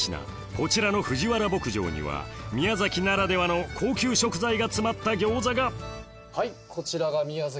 こちらの藤原牧場には宮崎ならではの高級食材が詰まった餃子がこちらが宮崎